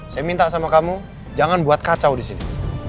saya minta sama kamu jangan buat kacau di sini